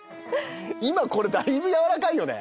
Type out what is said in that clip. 今これだいぶ柔らかいよね。